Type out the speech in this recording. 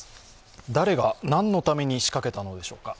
誰が何のために仕掛けたのでしょうか。